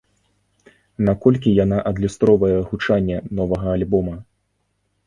Наколькі яна адлюстроўвае гучанне новага альбома?